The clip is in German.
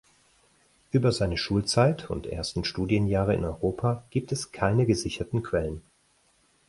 Über seine Schulzeit und ersten Studienjahre in Europa gibt es keine gesicherten Quellen.